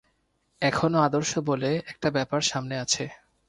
এখনো আদর্শ বলে একটা ব্যাপার সামনে আছে।